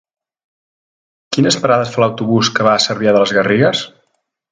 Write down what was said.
Quines parades fa l'autobús que va a Cervià de les Garrigues?